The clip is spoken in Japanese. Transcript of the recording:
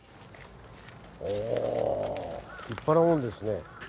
おぉ立派なもんですね。